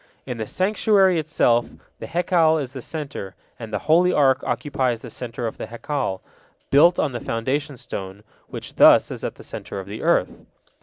In the sanctuary itself the Hekal is the centre, and the holy Ark occupies the centre of the Hekal, built on the foundation stone, which thus is at the centre of the earth.